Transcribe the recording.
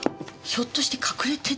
ひょっとして隠れ鉄。